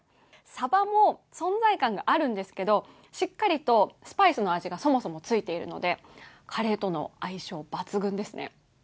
サバも存在感があるんですけど、しっかりとスパイスの味がそもそもついているのでカレーとの相性抜群ですね。